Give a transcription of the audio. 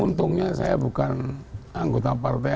untungnya saya bukan anggota partai